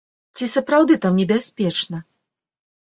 Ці сапраўды там небяспечна?